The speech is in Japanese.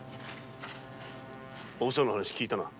お房の話聞いたな。